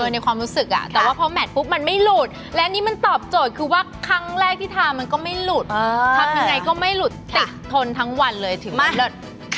ในความรู้สึกแต่ว่าพอแมทปุ๊บมันไม่หลุดและนี่มันตอบโจทย์คือว่าครั้งแรกที่ทามันก็ไม่หลุดทำยังไงก็ไม่หลุดติดทนทั้งวันเลยถึงเลิศ